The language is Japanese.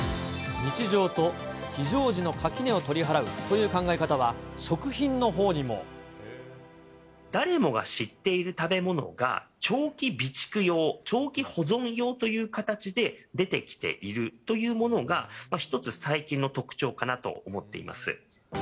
日常と非常時の垣根を取り払うという考え方は、食品のほうに誰もが知っている食べ物が長期備蓄用、長期保存用という形で出てきているというものが、一つ最近の特徴かなと思っています。